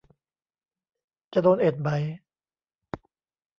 จะโดนเอ็ดไหม